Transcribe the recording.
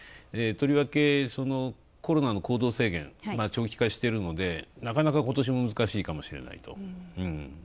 とりわけコロナの行動制限、長期化してるので、なかなか今年も難しいかもしれないと。